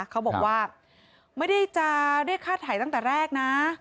เขาบอกว่าไม่ได้จะเรียกค่าถ่ายตั้งแต่แรกนะ